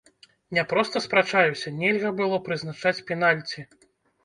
Не проста спрачаюся, нельга было прызначаць пенальці!